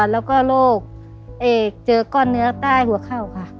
แล้วก็โรคเจอก้อนเนื้อใต้หัวเข่าค่ะ